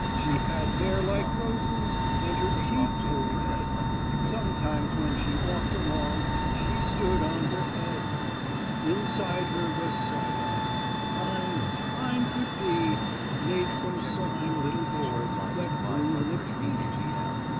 She had hair like roses, And her teeth were red, Sometimes when she walked along She stood on her head. "Inside her was sawdust, Fine as fine could be, Made from sawing little boards That grew in a tree.